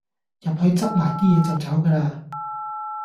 入去執埋啲嘢就走架喇